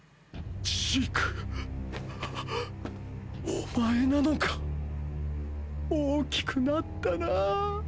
ジーク⁉ッ⁉お前なのか⁉大きくなったな！！